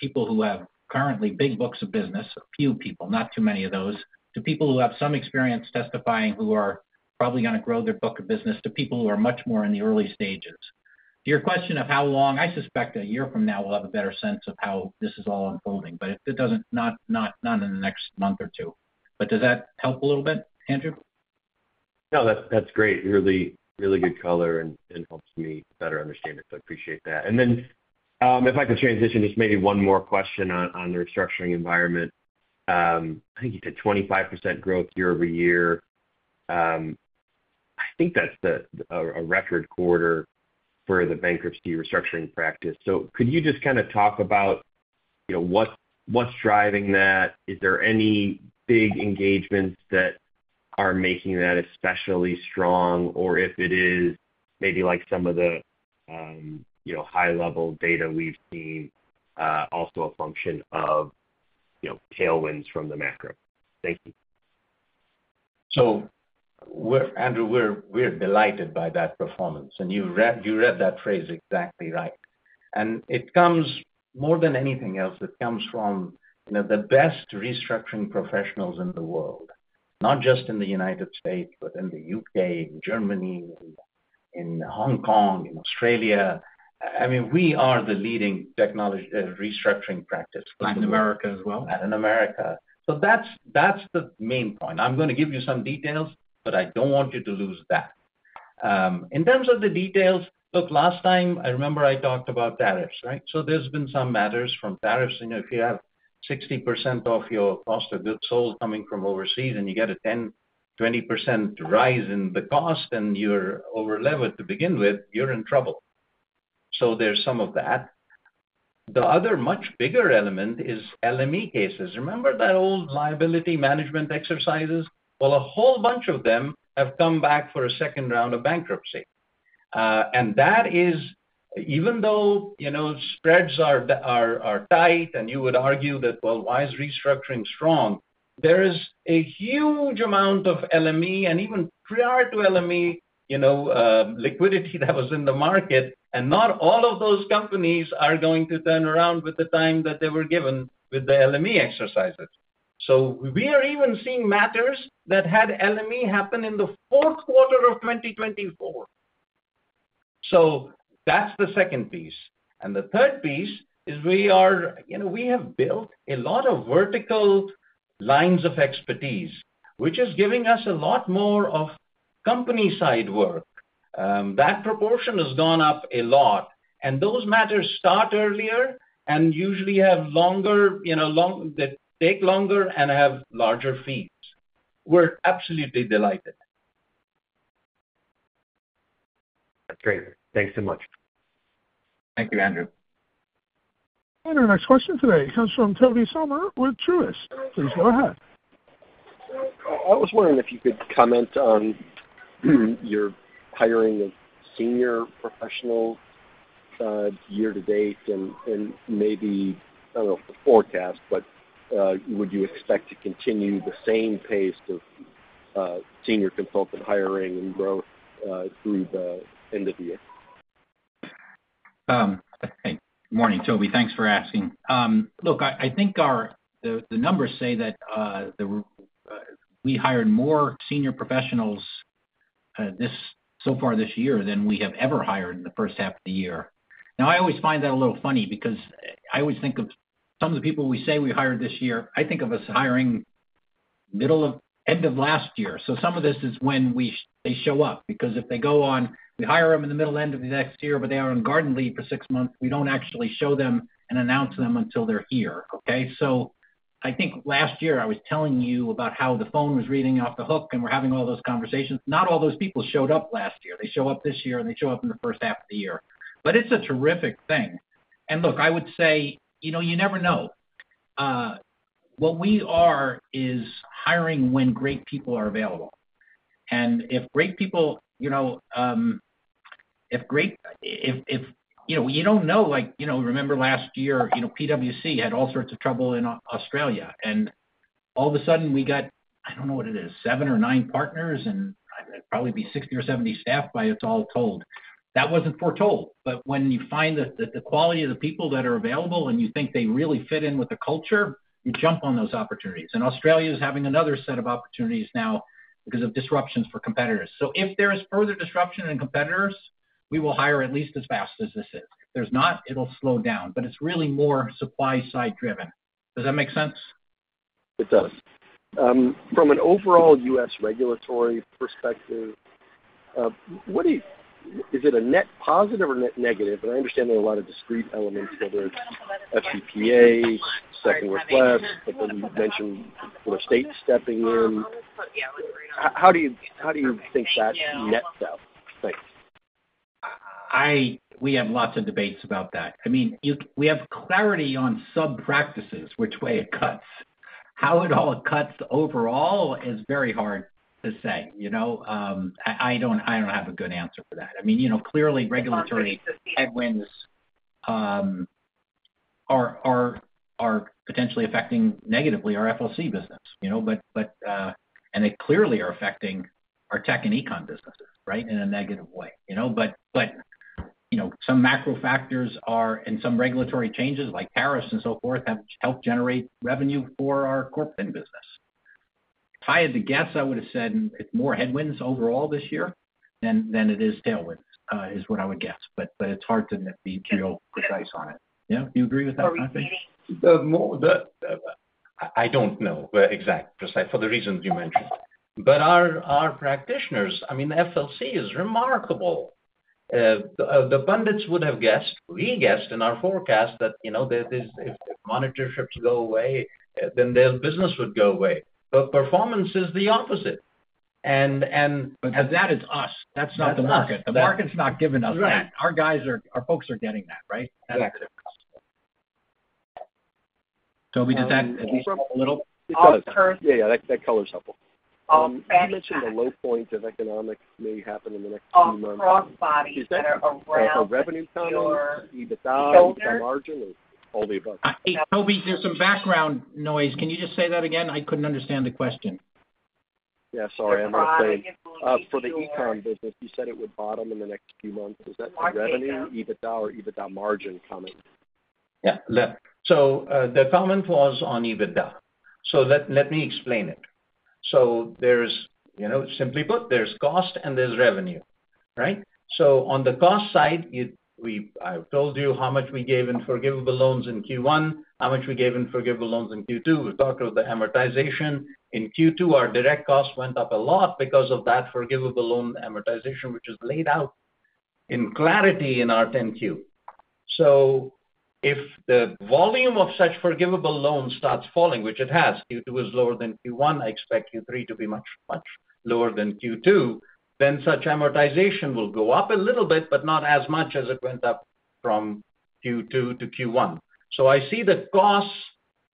people who have currently big books of business, a few people, not too many of those, to people who have some experience testifying who are probably going to grow their book of business, to people who are much more in the early stages. To your question of how long, I suspect a year from now we'll have a better sense of how this is all unfolding, but it doesn't not in the next month or two. But does that help a little bit, Andrew? No, that's great. Really, really good color and helps me better understand it. So I appreciate that. And then if I could transition just maybe one more question on the restructuring environment. I think you said 25% growth year over year. I think that's a record quarter for the bankruptcy restructuring practice. So could you just kind of talk about what's driving that? Is there any big engagements that are making that especially strong? Or if it is maybe like some of the high level data we've seen also a function of you know, tailwinds from the macro? Thank you. So Andrew, we're delighted by that performance. And you read that phrase exactly right. And it comes more than anything else, it comes from, you know, the best restructuring professionals in the world, not just in The United States, but in The UK, Germany, in Hong Kong, in Australia. I mean, we are the leading technology restructuring practice. Latin America as well. Latin America. So that's that's the main point. I'm gonna give you some details, but I don't want you to lose that. In terms of the details, look, last time, I remember I talked about tariffs. Right? So there's been some matters from tariffs, you know, if you have 60% of your cost of goods sold coming from overseas and you get a 20% rise in the cost and you're over levered to begin with, you're in trouble. So there's some of that. The other much bigger element is LME cases. Remember that old liability management exercises? Well, a whole bunch of them have come back for a second round of bankruptcy. And that is, even though, you know, spreads are tight and you would argue that, well, why is restructuring strong? There is a huge amount of LME and even prior to LME, you know, liquidity that was in the market, and not all of those companies are going to turn around with the time that they were given with the LME exercises. So we are even seeing matters that had LME happen in the fourth quarter of twenty twenty four. So that's the second piece. And the third piece is we are, you know, we have built a lot of vertical lines of expertise, which is giving us a lot more of company side work. That proportion has gone up a lot, and those matters start earlier and usually have longer, you know, long that take longer and have larger feeds. We're absolutely delighted. Great. Thanks so much. Thank you, Andrew. And our next question today comes from Tony Sommer with Truist. Please go ahead. I was wondering if you could comment on your hiring of senior professionals year to date and maybe I don't know if the forecast, but would you expect to continue the same pace of senior consultant hiring and growth through the end of the year? Good morning, Tobey. Thanks for asking. Look, I think our the numbers say that we hired more senior professionals so far this year than we have ever hired in the first half of the year. Now I always find that a little funny because I always think of some of the people we say we hired this year, I think of us hiring middle of end of last year. So some of this is when they show up because if they go on, we hire them in the middle end of the next year, but they are on garden leave for six months, we don't actually show them and announce them until they're here. Okay, so I think last year I was telling you about how the phone was reading off the hook and we're having all those conversations. Not all those people showed up last year. They show up this year and they show up in the first half of the year. But it's a terrific thing. And look, I would say, you never know. What we are is hiring when great people are available. And if great people you if great if you don't know like remember last year PwC had all sorts of trouble in Australia and all of a sudden we got, I don't know what it is, seven or nine partners and probably be 60 or 70 staff by it's all told. That wasn't foretold, but when you find that the quality of the people that are available and you think they really fit in with the culture, you jump on those opportunities. And Australia is having another set of opportunities now because of disruptions for competitors. So if there is further disruption in competitors, we will hire at least as fast as this is. If there's not, it'll slow down. But it's really more supply side driven. Does that make sense? It does. From an overall US regulatory perspective, what do you is it a net positive or net negative? But I understand there are lot of discrete elements, whether it's FCPA, second request, but then you mentioned state stepping in. How do you think that nets out? Thanks. I We have lots of debates about that. I mean, we have clarity on sub practices, which way it cuts. How it all cuts overall is very hard to say. Don't have a good answer for that. I mean, clearly regulatory are potentially affecting negatively our FLC business, but and they clearly are affecting our tech and e com businesses, right, in a negative way. But some macro factors are and some regulatory changes like tariffs and so forth have helped generate revenue for our Corp Fin business. If I had to guess, I would have said it's more headwinds overall this year than it is tailwinds, is what I would guess. But it's hard to nitpick price on it. Do you agree with that, Matthew? I don't know where exactly, precisely for the reasons you mentioned. But our our practitioners, I mean, the FLC is remarkable. The pundits would have guessed, we guessed in our forecast that, you know, there is if monitor ships go away, then their business would go away. But performance is the opposite. And and But that is us. That's not the market. The market's not giving us Right. Our guys are our folks are getting that. Right? So we did that at least a little. Yeah. Yeah. That color is helpful. You mentioned the low points of economics may happen in the next few Is that around revenue, margin, all the above? Toby, there's some background noise. Can you just say that again? I couldn't understand the question. Yeah. Sorry. I'm just saying, for the e com business, you said it would bottom in the next few months. Is that revenue, EBITDA, or EBITDA margin coming? Yeah. So the comment was on EBITDA. So let let me explain it. So there's, you know, simply put, there's cost and there's revenue. Right? So on the cost side, we've I told you how much we gave in forgivable loans in q one, how much we gave in forgivable loans in q two, we talked about the amortization. In q two, our direct costs went up a lot because of that forgivable loan amortization, which is laid out in clarity in our 10 Q. So if the volume of such forgivable loans starts falling, which it has, Q two is lower than Q one, I expect Q three to be much, much lower than Q two, then such amortization will go up a little bit, but not as much as it went up from Q2 to Q1. So I see the costs,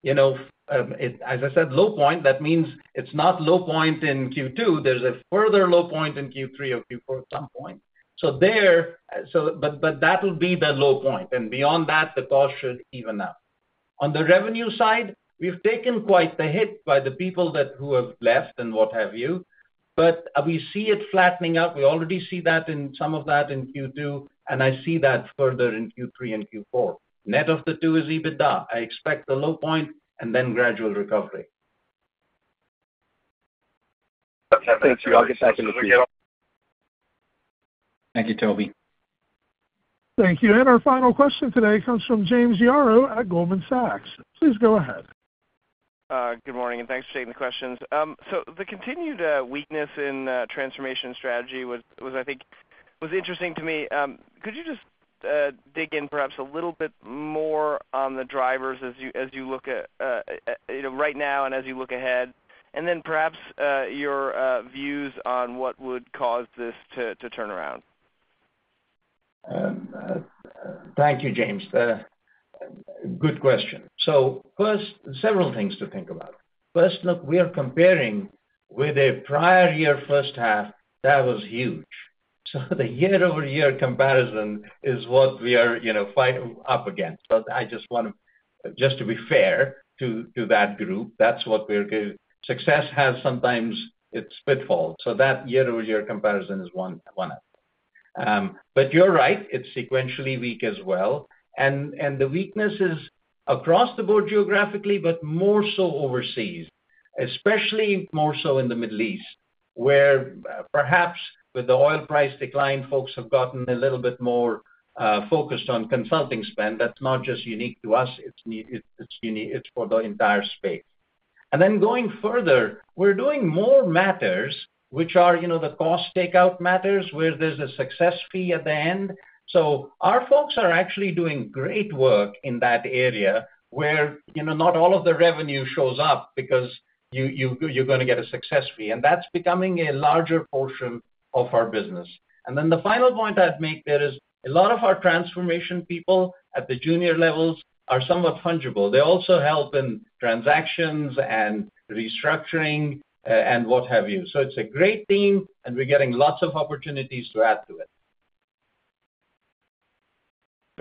you know, as I said, low point, that means it's not low point in Q2, there's a further low point in Q3 or Q4 some point. So there, but that will be the low point and beyond that, the cost should even up. On the revenue side, we've taken quite the hit by the people that who have left and what have you, but we see it flattening out. We already see that in some of that in Q2, and I see that further in Q3 and Q4. Net of the two is EBITDA. I expect the low point and then gradual recovery. Thank you, Toby. Thank you. And our final question today comes from James Yarrow at Goldman Sachs. Please go ahead. Good morning and thanks for taking the questions. So the continued weakness in transformation strategy was interesting to me. Could you just, dig in perhaps a little bit more on the drivers as you look at right now and as you look ahead? And then perhaps your views on what would cause this to to turn around. Thank you, James. Good question. So first, several things to think about. First, look, we are comparing with a prior year first half that was huge. So the year over year comparison is what we are, you know, fighting up against, but I just want to, just to be fair to that group, that's what we're good. Success has sometimes its pitfalls, so that year over year comparison is one. But you're right, it's sequentially weak as well, and and the weakness is across the board geographically, but more so overseas, especially more so in The Middle East, where perhaps with the oil price decline, folks have gotten a little bit more focused on consulting spend, that's not just unique to us, it's for the entire space. And then going further, we're doing more matters, which are, you know, the cost takeout matters, where there's a success fee at the end. So our folks are actually doing great work in that area where, you know, not all of the revenue shows up because you you you're gonna get a success fee, and that's becoming a larger portion of our business. And then the final point I'd make there is a lot of our transformation people at the junior levels are somewhat fungible. They also help in transactions and restructuring, and what have you. So it's a great team, and we're getting lots of opportunities to add to it.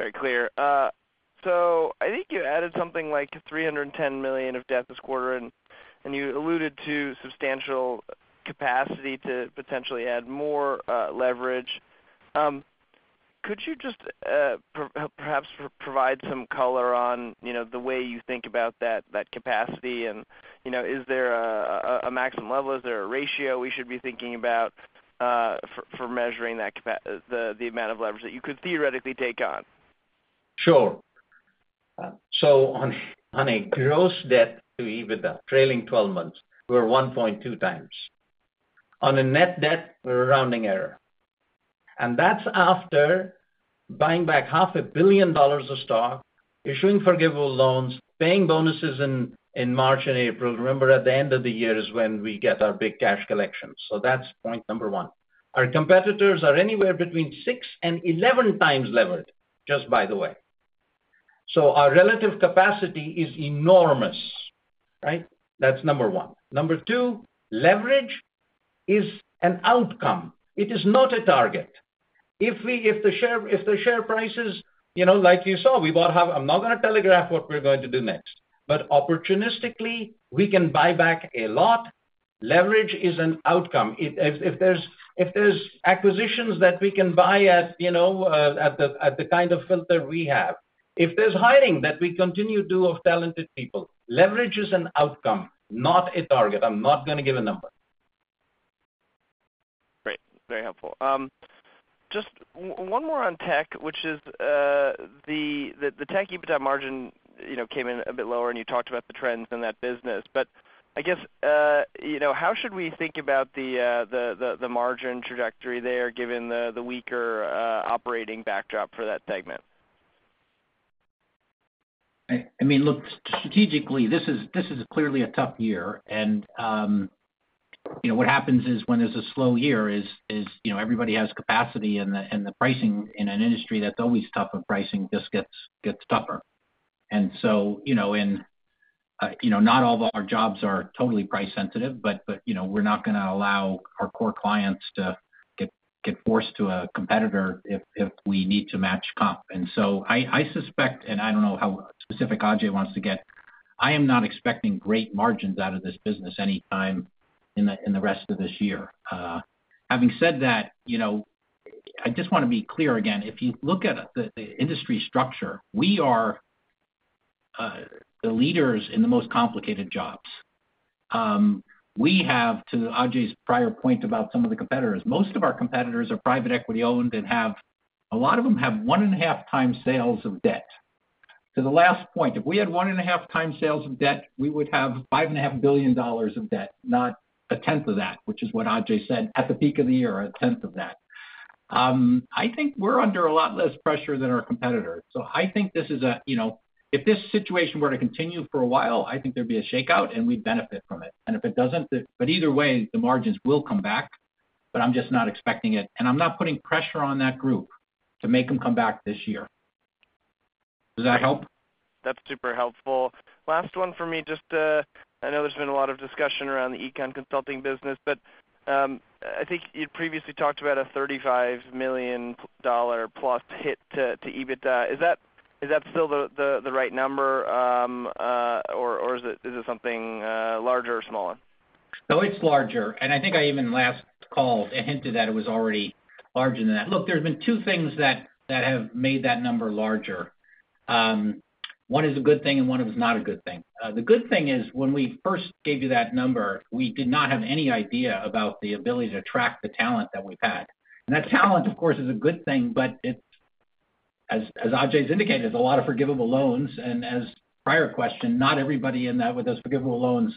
Very clear. So I think you added something like $310,000,000 of debt this quarter, and and you alluded to substantial capacity to potentially add more leverage. Could you just perhaps provide some color on the way you think about that capacity? And you know, is there a maximum level? Is there a ratio we should be thinking about for for measuring that the the amount of leverage that you could theoretically take on? Sure. So on on a gross debt to EBITDA trailing twelve months, we're 1.2 times. On a net debt rounding error. And that's after buying back half a billion dollars of stock, issuing forgivable loans, paying bonuses in March and April, remember at the end of the year is when we get our big cash collections. So that's point number one. Our competitors are anywhere between six and eleven times levered, just by the way. So our relative capacity is enormous. Right? That's number one. Number two, leverage is an outcome. It is not a target. If we if the share if the share prices, you know, like you saw, we will have I'm not going to telegraph what we're going to do next, but opportunistically, we can buy back a lot. Leverage is an outcome. If there's acquisitions that we can buy at, you know, at the kind of filter we have, If there's hiring that we continue to do of talented people, leverage is an outcome, not a target. I'm not gonna give a number. Great. Very helpful. Just one more on tech, which is tech EBITDA margin came in a bit lower and you talked about the trends in that business. But I guess, how should we think about the margin trajectory there given the weaker operating backdrop for that segment? I mean, look, strategically, this is clearly a tough year. And what happens is when there's a slow year is everybody has capacity and the pricing in an industry that's always tough and pricing just gets tougher. And so in not all of our jobs are totally price sensitive, but we're not going to allow our core clients to get forced to a competitor if we need to match comp. And so I suspect and I don't know how specific Ajay wants to get, I am not expecting great margins out of this business anytime in the rest of this year. Having said that, just want to be clear again, if you look at the industry structure, we are the leaders in the most complicated jobs. We have to Ajay's prior point about some of the competitors, most of our competitors are private equity owned and have a lot of them have 1.5 times sales of debt. To the last point, if we had one and onetwo times sales of debt, we would have 5 and onetwo billion dollars of debt, not oneten of that, which is what Ajay said at the peak of the year, oneten of that. I think we're under a lot less pressure than our competitors. So I think this is a, you know, if this situation were to continue for a while, I think there'd a shakeout and we'd benefit from it. And if it doesn't, but either way, the margins will come back, but I'm just not expecting it. And I'm not putting pressure on that group to make them come back this year. Does that help? That's super helpful. Last one for me just I know there's been a lot of discussion around the econ consulting business, but I think you'd previously talked about a $35,000,000 plus hit to EBITDA. Is that still the right number or is it something larger or smaller? No, it's larger. And I think I even last call hinted that it was already larger than that. Look, there's been two things that have made that number larger. One is a good thing and one is not a good thing. The good thing is when we first gave you that number, we did not have any idea about the ability to attract the talent that we've had. And that talent of course is a good thing but as Ajay has indicated, there's a lot of forgivable loans and as prior question not everybody in that with those forgivable loans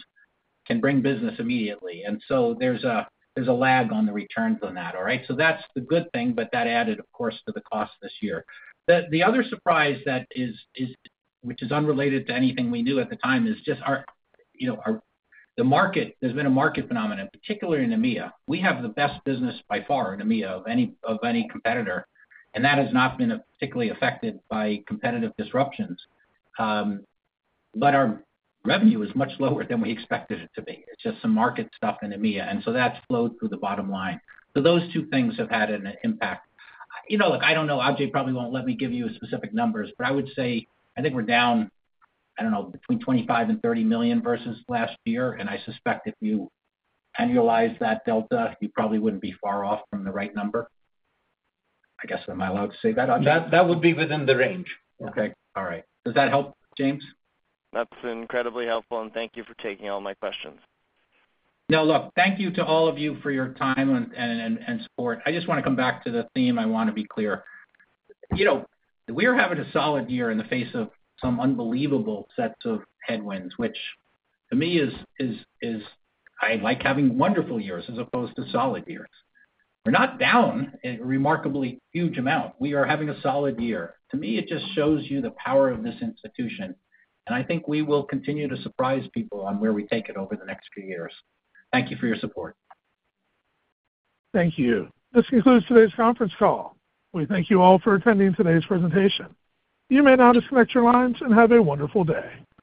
can bring business immediately and so there's a lag on the returns on that, all right. So that's the good thing but that added of course to the cost this year. The other surprise that is is unrelated to anything we knew at the time is just our the market, there's been a market phenomenon particularly in EMEA. We have the best business by far in EMEA of any competitor and that has not been particularly affected by competitive disruptions. But our revenue is much lower than we expected it to be, it's just some market stuff in EMEA and so that's flowed through the bottom line. So those two things have had an impact. Know, look, don't know, Ajay probably won't let me give you specific numbers, but I would say, I think we're down, I don't know, 25,000,000 and $30,000,000 versus last year. And I suspect if you annualize that delta, you probably wouldn't be far off from the right number. I guess am I allowed to say that? That would be within the range. Okay, all right. Does that help James? That's incredibly helpful and thank you for taking all my questions. Now look, thank you to all of you for your time and support. I just want to come back to the theme I want to be clear. You know, we are having a solid year in the face of some unbelievable sets of headwinds, which to me is I like having wonderful years as opposed to solid years. We're not down a remarkably huge amount. We are having a solid year. To me, it just shows you the power of this institution. And I think we will continue to surprise people on where we take it over the next few years. Thank you for your support. Thank you. This concludes today's conference call. We thank you all for attending today's presentation. You may now disconnect your lines and have a wonderful day.